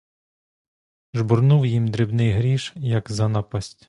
Жбурнув їм дрібний гріш, як за напасть.